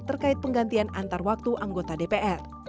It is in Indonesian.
terkait penggantian antarwaktu anggota dpr